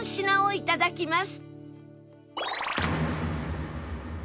いただきます。